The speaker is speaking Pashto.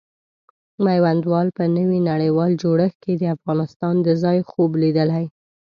میوندوال په نوي نړیوال جوړښت کې د افغانستان د ځای خوب لیدلی.